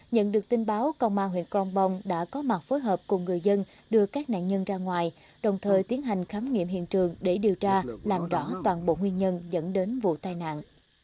nhận được tin báo công an huyện crongbong đã có mặt phối hợp cùng người dân đưa các nạn nhân ra ngoài đồng thời tiến hành khám nghiệm hiện trường để điều tra làm rõ toàn bộ nguyên nhân dẫn đến vụ tai nạn